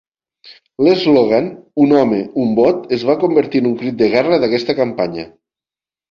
L'eslògan "un home, un vot" es va convertir en un crit de guerra d'aquesta campanya.